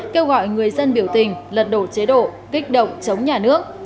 kêu gọi người dân biểu tình lật đổ chế độ kích động chống nhà nước